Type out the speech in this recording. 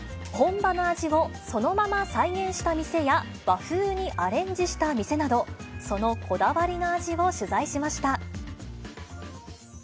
本場の味をそのまま再現した店や、和風にアレンジした店など、そのこだわりの味を取材しました。